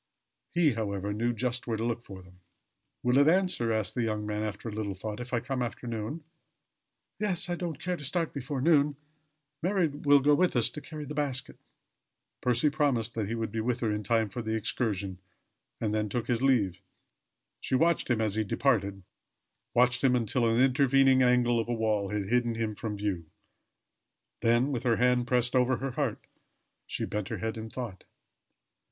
He, however knew just where to look for them. "Will it answer," asked the young man after a little thought, "if I come after noon?" "Yes I don't care to start before noon. Mary will go with us to carry the basket." Percy promised that he would be with her in time for the excursion and then took his leave. She watched him as he departed watched him until an intervening angle of a wall had hidden him from view. Then with her hand pressed over her heart, she bent her head in thought.